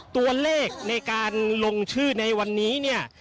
ตัวเลขในการลงชื่อในวันนี้เนี่ย